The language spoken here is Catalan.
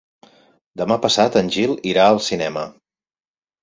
Demà passat en Gil irà al cinema.